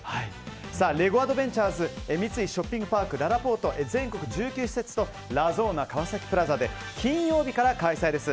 レゴアドベンチャーズは三井ショッピングパークららぽーと全国１９施設とラゾーナ川崎プラザで金曜日から開催です。